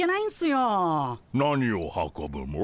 何を運ぶモ？